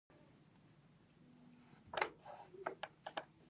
خو سپي په وران وران ورته کتل، خوښ نه و.